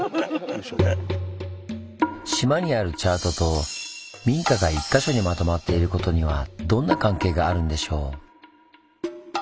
島にあるチャートと民家が１か所にまとまっていることにはどんな関係があるんでしょう？